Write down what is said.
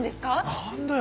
何だよ